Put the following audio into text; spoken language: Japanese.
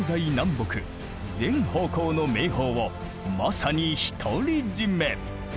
全方向の名峰をまさに独り占め。